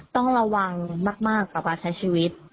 ต้องระวังมากกับการใช้ชีวิต